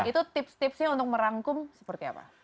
itu tips tipsnya untuk merangkum seperti apa